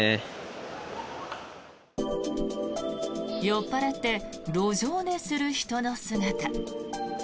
酔っ払って路上寝する人の姿。